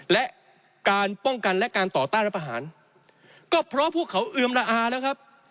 และการป้องกันและการต่อต้านรัฐประหารก็เพราะพวกเขาเอือมละอาแล้วครับ